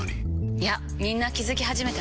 いやみんな気付き始めてます。